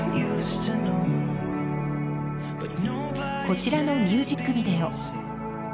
こちらのミュージックビデオ。